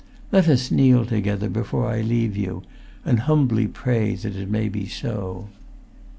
Let us kneel together before I leave you, and humbly pray that it may still be so!"